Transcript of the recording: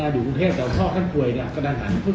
เมื่อมีเหตุที่ต้องออกโรงบาลแล้ว